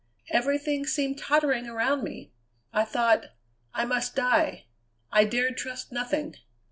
Everything seemed tottering around me. I thought I must die; I dared trust nothing.